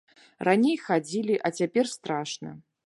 Раней хадзілі, а цяпер страшна.